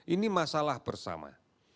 ini masalah bersama